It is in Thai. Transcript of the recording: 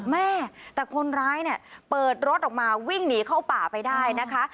แม่แต่คนร้ายเนี่ยเปิดรถออกมาวิ่งหนีเข้าป่าไปได้นะคะ